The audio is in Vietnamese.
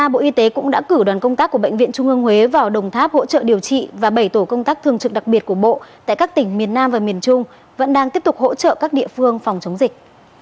bộ y tế cũng đã cử đoàn công tác của bệnh viện trung ương huế vào đồng tháp hỗ trợ điều trị và bảy tổ công tác thường trực đặc biệt của bộ tại các tỉnh miền nam và miền trung vẫn đang tiếp tục hỗ trợ các địa phương phòng chống dịch